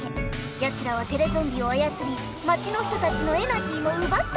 やつらはテレゾンビをあやつり町の人たちのエナジーもうばったソヨ！